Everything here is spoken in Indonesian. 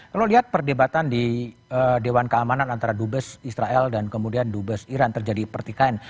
kalau lihat perdebatan di dewan keamanan antara dubes israel dan kemudian dubes iran terjadi pertikaian